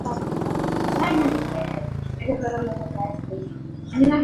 Esto le hace una estación enormemente dependiente de los vientos del sur.